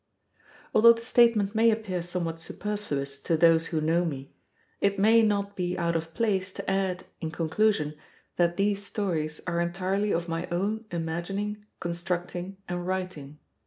Although the statement may appear somewhat superfluous to those who know me, it may not be out of place to add, in conclusion, that these stories are entirely of my own imagining, constructing, and writing.